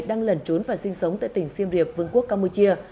đang lẩn trốn và sinh sống tại tỉnh siêm riệp vương quốc campuchia